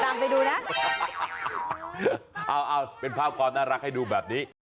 ไปดูนะเอาเป็นภาพความน่ารักให้ดูแบบนี้